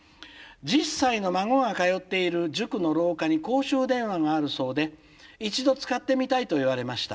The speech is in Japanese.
「１０歳の孫が通っている塾の廊下に公衆電話があるそうで一度使ってみたいと言われました」。